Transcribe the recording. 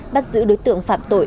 bắt giữ đối tượng phạm tội